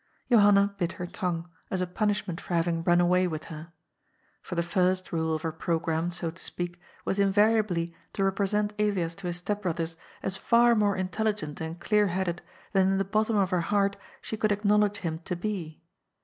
Johanna bit her tongue, as a punishment for having run away with h^r. For the first rule of her programme, BO to speak, was invariably to represent Elias to his step brothers as far more intelligent and clear headed than in the bottom of her heart she could acknowledge him to be.